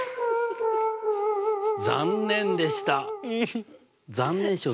残念でした。